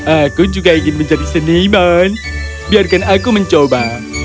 aku juga ingin menjadi seniman biarkan aku mencoba